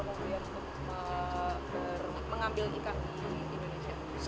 kemudian untuk mengambil ikan di indonesia